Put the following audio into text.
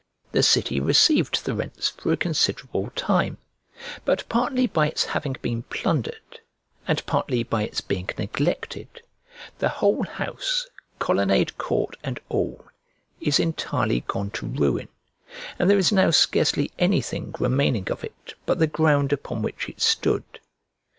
The city received the rents for a considerable time; but partly by its having been plundered, and partly by its being neglected, the whole house, colonnade court, and all, is entirely gone to ruin, and there is now scarcely anything remaining of it but the ground upon which it stood.